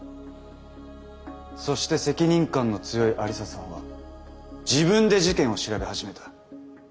そして責任感の強い愛理沙さんは自分で事件を調べ始めた。